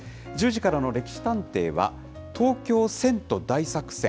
１０時からの歴史探偵は、東京遷都大作戦。